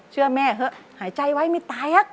เชื่อแม่เถอะหายใจไว้ไม่ตาย